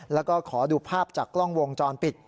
แล้วก็ขอดูภาพจากกล้องวงจรปิด